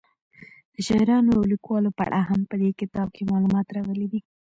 د شاعرانو او لیکوالو په اړه هم په دې کتاب کې معلومات راغلي دي.